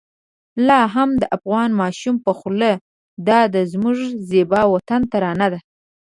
لا هم د افغان ماشوم په خوله د دا زموږ زېبا وطن ترانه ده.